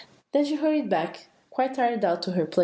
Then she hurried back, quite tired out, to her place.